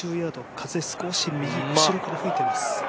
風、少し右後ろから吹いています。